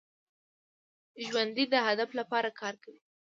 ژوندي د هدف لپاره کار کوي